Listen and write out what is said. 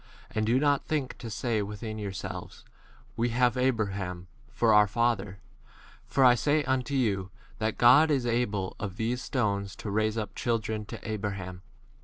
And do not think to say within your selves, We have Abraham for our father ; for I say unto you, that God is able of these stones to raise up children to Abraham.